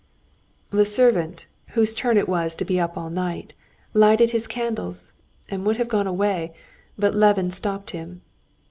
The servant, whose turn it was to be up all night, lighted his candles, and would have gone away, but Levin stopped him.